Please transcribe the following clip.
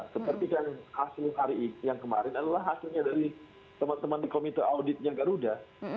seperti yang hasil yang kemarin adalah hasilnya dari teman teman di komite auditnya garuda